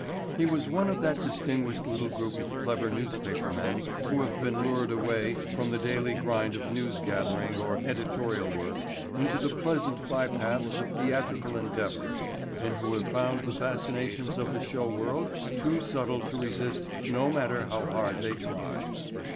He was one of that distinguished little group of clever newspapermen who have been lured away from the daily grind of news gathering or editorial work into the pleasant bypaths of theatrical endeavor and who have found the fascinations of the show world too subtle to resist no matter how hard they try.